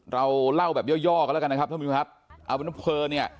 เราเล่าแบบย่อย่อกันแล้วกันนะครับท่านผู้ชมครับเอาเป็นว่าเผลอเนี่ย